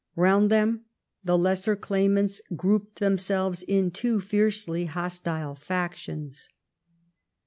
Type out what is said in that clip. Round them the lesser claimants grouped themselves in two fiercely hostile factions.